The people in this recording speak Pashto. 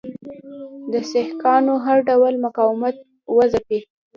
د سیکهانو هر ډول مقاومت وځپي.